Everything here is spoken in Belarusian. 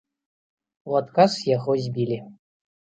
У адказ яго збілі.